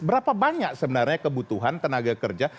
berapa banyak sebenarnya kebutuhan tenaga kerja